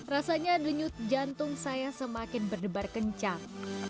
rasanya denyut jantung saya semakin berdebar kencang